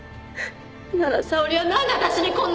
なら沙織は何で私にこんなことを！？